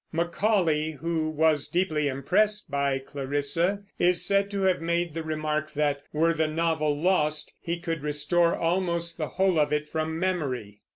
Macaulay, who was deeply impressed by Clarissa, is said to have made the remark that, were the novel lost, he could restore almost the whole of it from memory.